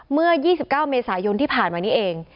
เมื่อ๒๙เมษายนที่ผ่านมานี้เอง